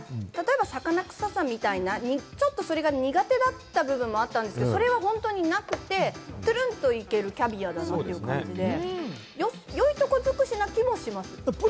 例えば魚臭さみたいな、それが苦手だった部分もあったんですけれども、それは本当になくて、トゥルンと行けるキャビアだなという感じで、良いところ尽くしな気もします。